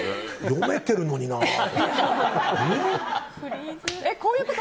読めてるのになって。